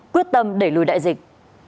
quyết tâm để lùi đại dịch